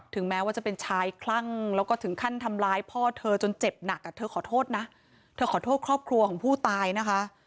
แม้ว่าจะเป็นชายคลั่งแล้วก็ถึงขั้นทำร้ายพ่อเธอจนเจ็บหนักอ่ะเธอขอโทษนะเธอขอโทษครอบครัวของผู้ตายนะคะ